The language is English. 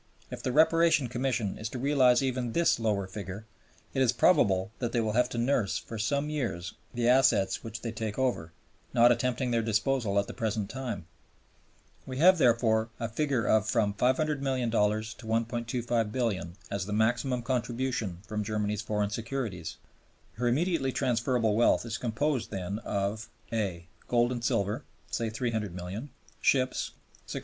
If the Reparation Commission is to realize even this lower figure, it is probable that they will have to nurse, for some years, the assets which they take over, not attempting their disposal at the present time. We have, therefore, a figure of from $500,000,000 to $1,250,000,000 as the maximum contribution from Germany's foreign securities. Her immediately transferable wealth is composed, then, of (a) Gold and silver say $300,000,000. (b) Ships $600,000,000.